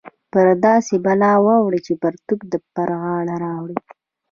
پر داسې بلا واوړې چې پرتوګ پر غاړه راوړې